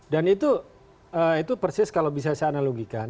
dan itu persis kalau bisa saya analogikan